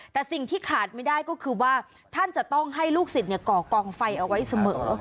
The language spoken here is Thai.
แต่สิ่งที่ขาดไม่ได้ก็คือว่าท่านจะต้องให้ลูกศิษย์ก่อกองไฟเอาไว้เสมอ